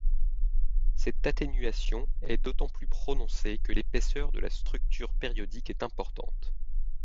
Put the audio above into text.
Cette atténuation est d'autant plus prononcée que l'épaisseur de la structure périodique est importante.